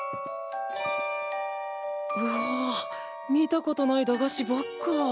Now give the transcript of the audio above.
うわ見たことない駄菓子ばっか。